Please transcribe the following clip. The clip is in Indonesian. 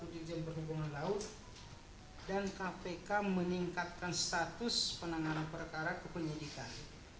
dan kpk meningkatkan status penanganan perkara kepenyidikan